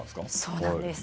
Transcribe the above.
そうなんです。